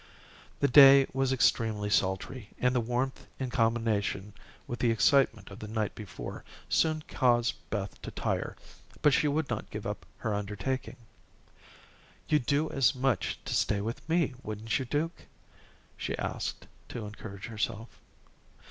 The day was extremely sultry, and the warmth in combination with the excitement of the night before soon caused Beth to tire, but she would not give up her undertaking. "You'd do as much to stay with me, wouldn't you, Duke?" she asked, to encourage herself.